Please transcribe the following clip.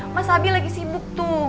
mas abi lagi sibuk tuh